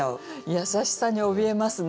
優しさに怯えますね。